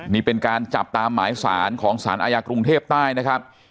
นี่เป็นการจับตามหมายสารของสารอาญากรุงเทพใต้นะครับ